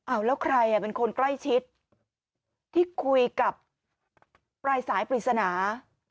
เอาแล้วใครเป็นคนใกล้ชิดที่คุยกับปลายสายปริศนา